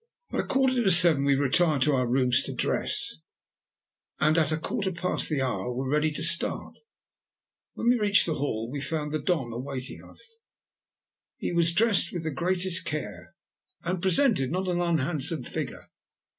At a quarter to seven we retired to our rooms to dress, and at a quarter past the hour were ready to start. When we reached the hall, we found the Don awaiting us there. He was dressed with the greatest care, and presented a not unhandsome figure.